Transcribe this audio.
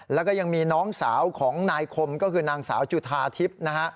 แล้วก็ยังมีน้องสาวของนายคมก็คือนางสาวจุธาทิพย์นะฮะ